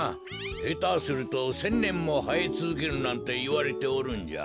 へたすると１，０００ねんもはえつづけるなんていわれておるんじゃ。